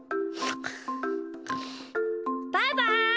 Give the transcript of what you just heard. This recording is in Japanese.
バイバイ！